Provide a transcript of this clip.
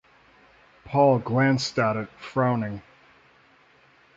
Paul glanced at it frowning.